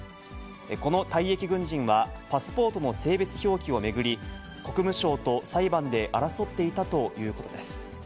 この退役軍人は、パスポートの性別表記を巡り、国務省と裁判で争っていたということです。